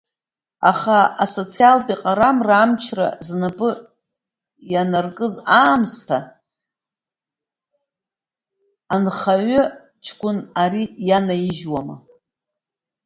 Аха асоциалтә еиҟарамра амчра знапы ианаркыз аамсҭа, анхаҩы ҷкәын ари ианаижьуама!